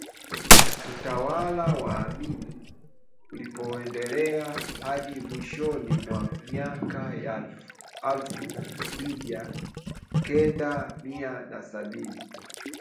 Utawala wa Amin ulipoendelea hadi mwishoni mwa miaka ya alfu mija kenda mia na sabini